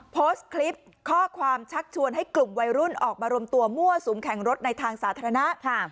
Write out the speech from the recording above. โพสต์คลิปข้อความชักชวนให้กลุ่มวัยรุ่นออกมารวมตัวมั่วสุมแข่งรถในทางสาธารณะ